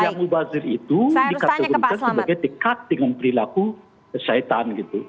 yang mubazir itu dikategorikan sebagai dekat dengan perilaku syaitan gitu